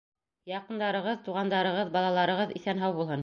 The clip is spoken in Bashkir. Яҡындарығыҙ, туғандарығыҙ, балаларығыҙ иҫән-һау булһын.